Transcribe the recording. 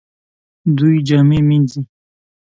دوی جامې مینځي